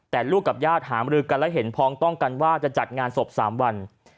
แต่ลูกกับญาติหามรือกันและเห็นพ้องต้องกันว่าจะจัดงานศพ๓วัน